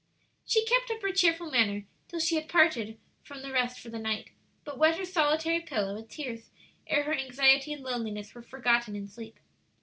She kept up her cheerful manner till she had parted from the rest for the night, but wet her solitary pillow with tears ere her anxiety and loneliness were forgotten in sleep.